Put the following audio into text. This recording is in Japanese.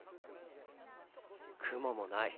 雲もない。